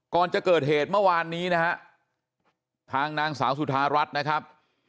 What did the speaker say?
ก่อนจะเกิดเหตุเมื่อวานนี้นะฮะทางนางสาวสุธารัฐนะครับ